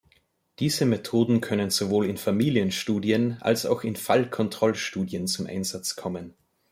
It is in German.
Diese Methoden können sowohl in Familien-Studien, als auch in Fall-Kontroll-Studien zum Einsatz kommen.